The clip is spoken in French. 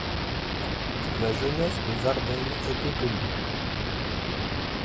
La jeunesse de Zarden est peu connue.